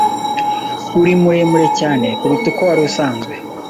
Uri muremure cyane kuruta uko wari usanzwe.